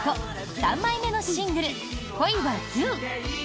３枚目のシングル「恋＝Ｄｏ！」。